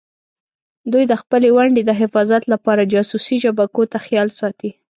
دوی د خپلې ونډې د حفاظت لپاره جاسوسي شبکو ته خیال ساتي.